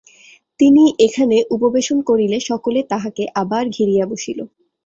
তিনি এখানে উপবেশন করিলে সকলে তাঁহাকে আবার ঘিরিয়া বসিল।